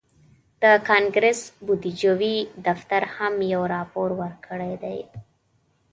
د کانګرس بودیجوي دفتر هم یو راپور ورکړی دی